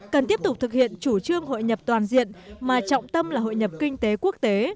cần tiếp tục thực hiện chủ trương hội nhập toàn diện mà trọng tâm là hội nhập kinh tế quốc tế